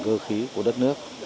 cơ khí của đất nước